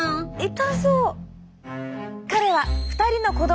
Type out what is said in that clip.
痛そう。